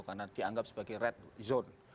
karena dianggap sebagai red zone